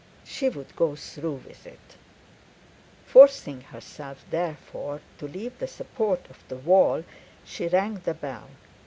She would go through with it. Forcing herself, therefore, to leave the support of the wall, she rang the bell.